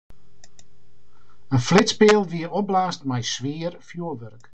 In flitspeal wie opblaasd mei swier fjurwurk.